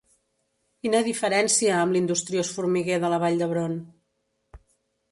Quina diferència amb l'industriós formiguer de la Vall d'Hebron!